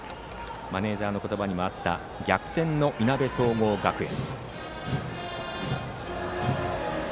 マネージャーの言葉にもあった逆転のいなべ総合学園。